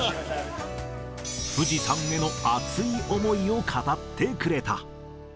富士山への熱い思いを語ってくれた。